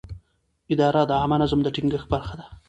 اداره د عامه نظم د ټینګښت برخه ده.